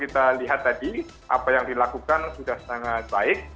kita lihat tadi apa yang dilakukan sudah sangat baik